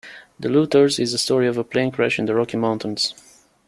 "The Looters" is the story of a plane crash in the Rocky Mountains.